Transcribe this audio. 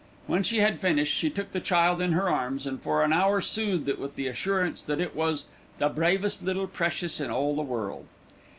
When she had finished, she took the child in her arms, and for an hour soothed it with the assurance that it was "the bravest little precious in all the world."